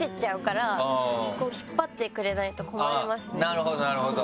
なるほどなるほど。